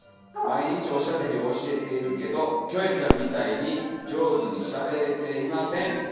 毎日おしゃべりを教えているけどキョエちゃんみたいに上手にしゃべれていません。